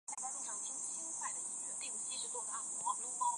目前摩根敦市立机场只有飞往杜勒斯机场的航班。